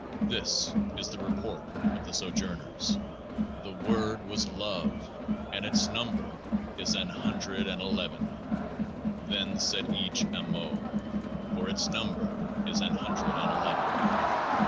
This is the Report of the Sojourners : THE WORD was LOVE ; 23 and its number is An Hundred and Eleven. Then said each AMO ; 24 for its number is An Hundred and Eleven.